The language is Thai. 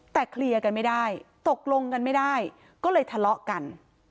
แต่เคลียร์กันไม่ได้ตกลงกันไม่ได้ก็เลยทะเลาะกัน